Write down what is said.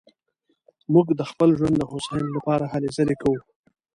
موږ د خپل ژوند د هوساينې لپاره هلې ځلې کوو